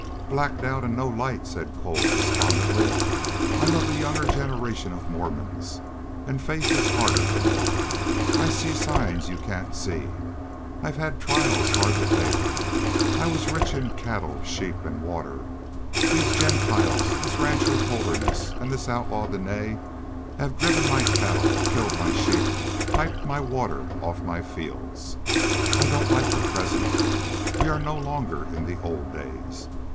"Black doubt and no light," said Cole, despondently. "I'm of the younger generation of Mormons, and faith is harder for me. I see signs you can't see. I've had trials hard to bear. I was rich in cattle, sheep, and water. These Gentiles, this rancher Holderness and this outlaw Dene, have driven my cattle, killed my sheep, piped my water off my fields. I don't like the present. We are no longer in the old days.